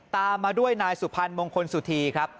ตามมาด้วยนายสุพรรณมงคลสุธีครับ